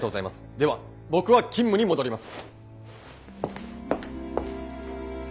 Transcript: では僕は勤務に戻ります！